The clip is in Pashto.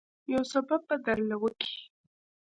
يو سبب به درله وکي.